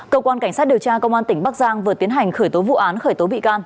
cơ quan cảnh sát điều tra công an tỉnh bắc giang vừa tiến hành khởi tố vụ án khởi tố bị can